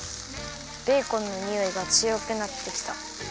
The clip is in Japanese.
ベーコンのにおいがつよくなってきた。